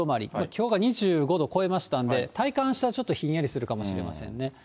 きょうが２５度超えましたんで、体感としてはちょっとひんやりするかもしれませんね。